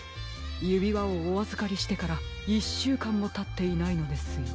ゆびわをおあずかりしてから１しゅうかんもたっていないのですよ。